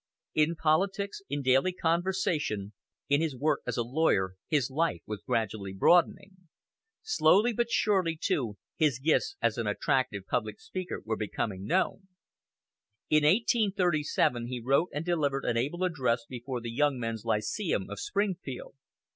In politics, in daily conversation, in his work as a lawyer, his life was gradually broadening. Slowly but surely, too, his gifts as an attractive public speaker were becoming known. In 1837 he wrote and delivered an able address before the Young Men's Lyceum of Springfield.